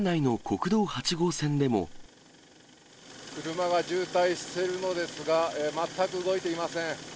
車が渋滞しているのですが、全く動いていません。